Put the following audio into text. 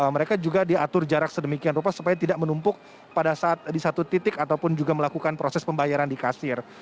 mereka juga diatur jarak sedemikian rupa supaya tidak menumpuk pada saat di satu titik ataupun juga melakukan proses pembayaran di kasir